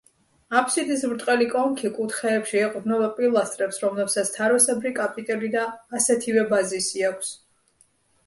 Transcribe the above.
აფსიდის ბრტყელი კონქი კუთხეებში ეყრდნობა პილასტრებს, რომლებსაც თაროსებრი კაპიტელი და ასეთივე ბაზისი აქვს.